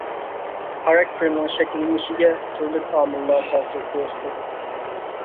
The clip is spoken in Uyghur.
خاراكتېرنىڭ شەكىللىنىشىگە تۈرلۈك ئامىللار تەسىر كۆرسىتىدۇ.